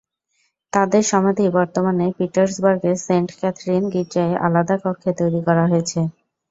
তাঁদের সমাধি বর্তমানে পিটার্সবার্গের সেন্ট ক্যাথরিন গির্জায় আলাদা কক্ষে তৈরি করা হয়েছে।